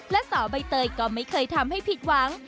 และสาวใบเตยก็ไม่เคยทำให้ผิดหวัง